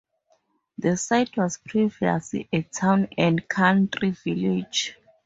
The site was previously a Town and Country Village.